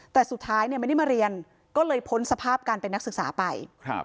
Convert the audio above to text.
แต่สุดท้ายเนี่ยไม่ได้มาเรียนก็เลยพ้นสภาพการเป็นนักศึกษาไป